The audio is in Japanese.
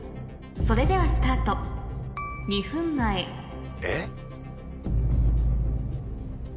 それではスタート２分前え？